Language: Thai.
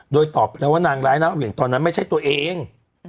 โดยตอบไปแล้วว่านางร้ายนางเหวี่ยงตอนนั้นไม่ใช่ตัวเอง